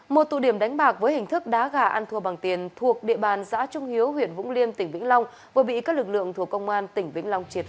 một tụ điểm đánh bạc với hình thức đá gà ăn thua bằng tiền thuộc địa bàn giã trung hiệp